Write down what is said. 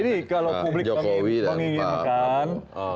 ini kalau publik menginginkan